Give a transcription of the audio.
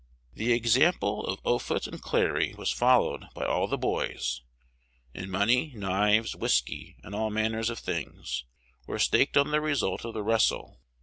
The example of Offutt and Clary was followed by all the "boys;" and money, knives, whiskey, and all manner of things, were staked on the result of the wrestle.